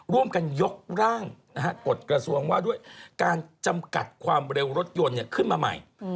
ร่วมกันยกร่างกฎกระทรวงว่าด้วยการจำกัดความเร็วรถยนต์ขึ้นมาใหม่